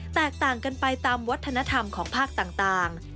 แตกต่างกันไปตามวัฒนธรรมของภาคต่าง